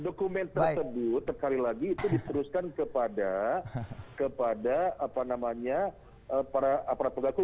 dokumen tersebut sekali lagi itu diseruskan kepada kepada apa namanya para para pegawai